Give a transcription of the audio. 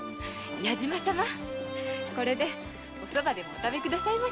矢島様これでおそばでもお食べくださいまし。